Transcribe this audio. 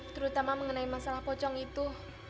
terutama mengenai masalah pocong itu